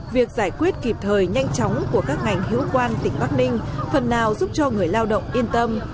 việc giải quyết kịp thời nhanh chóng của các ngành hữu quan tỉnh bắc ninh phần nào giúp cho người lao động yên tâm